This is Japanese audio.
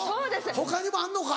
他にもあんのか？